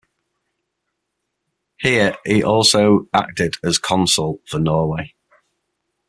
Here he also acted as Consul for Norway.